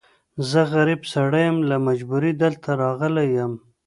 زه غريب سړی يم، له مجبوری دلته راغلی يم.